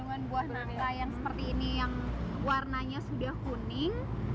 jadi kandungan buah nangka yang seperti ini yang warnanya sudah kuning